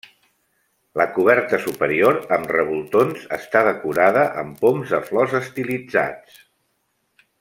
La coberta superior, amb revoltons, està decorada amb poms de flors estilitzats.